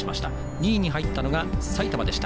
２位に入ったのが埼玉でした。